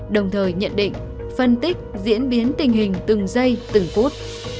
đồng thời nhận định phân tích diễn biến tình hình từng giây từng phút